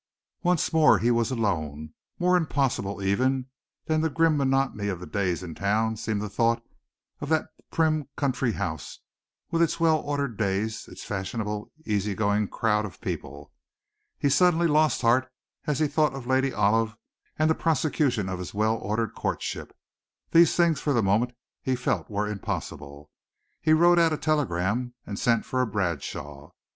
Once more he was alone. More impossible, even, than the grim monotony of the days in town seemed the thought of that prim country house, with its well ordered days, its fashionable, easy going crowd of people. He suddenly lost heart as he thought of Lady Olive and the prosecution of his well ordered courtship. These things for the moment he felt were impossible. He wrote out a telegram and sent for a Bradshaw.